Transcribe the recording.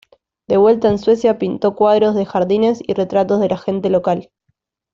De vuelta en Suecia pintó cuadros de jardines y retratos de la gente local.